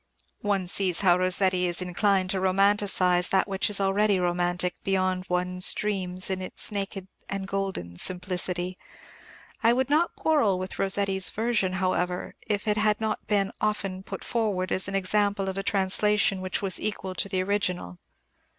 One sees how Rossetti is inclined to romanticize that which is already romantic beyond one's dreams in its naked and golden simplicity. I would not quarrel with Rossetti's version, however, if it had not been often put forward as an example of a translation which was equal to the original.